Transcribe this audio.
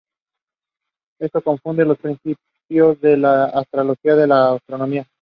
Esto confunde los principios de la astrología con la astronomía.